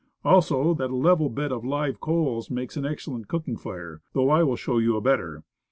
Also, that a level bed of live coals makes an excellent cooking fire, though I will show you a better.